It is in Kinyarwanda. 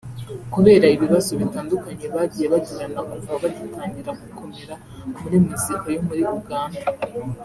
kubera ibibazo bitandukanye bagiye bagirana kuva bagitangira gukomera muri muzika yo muri Uganda